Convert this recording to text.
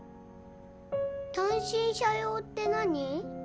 単身者用って何？